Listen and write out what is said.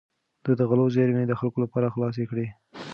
ده د غلو زېرمې د خلکو لپاره خلاصې کړې.